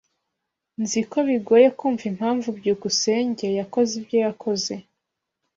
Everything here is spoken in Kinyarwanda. Nzi ko bigoye kumva impamvu byukusenge yakoze ibyo yakoze.